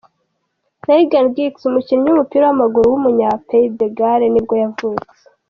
Ryan Giggs, umukinnyi w’umupira w’amaguru w’umunya Pays des Gales nibwo yavutse.